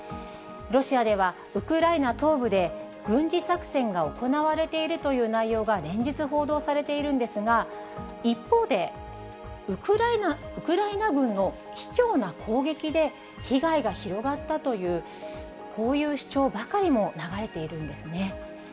ロシアでは、ウクライナ東部で軍事作戦が行われているという内容が連日報道されているんですが、一方で、ウクライナ軍のひきょうな攻撃で、被害が広がったという、こういう主張ばかりも流れているんですね。